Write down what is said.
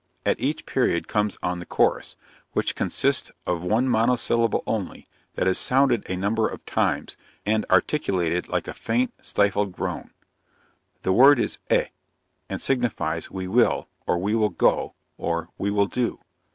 At each period comes on the chorus, which consists of one monosyllable only, that is sounded a number of times, and articulated like a faint, stifled groan. This word is "eh," and signifies "we will," or "we will go," or "we will do."